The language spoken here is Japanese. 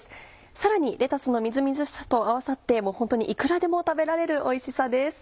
さらにレタスのみずみずしさと合わさってホントにいくらでも食べられるおいしさです。